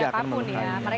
tidak akan melukai